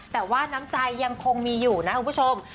แต่ว่าน้ำใจยังคงมีอยู่นะคุณผู้ชม